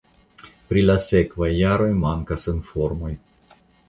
Pri la sekvaj jaroj mankas informoj.